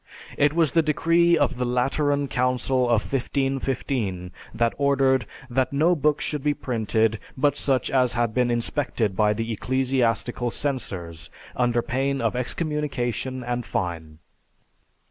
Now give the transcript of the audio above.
It was the decree of the Lateran Council of 1515 that ordered that no books should be printed but such as had been inspected by the ecclesiastical censors, under pain of excommunication and fine.